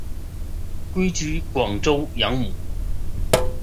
归居广州养母。